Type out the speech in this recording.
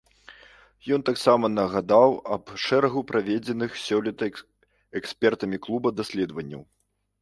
Ён таксама нагадаў аб шэрагу праведзеных сёлета экспертамі клуба даследаванняў.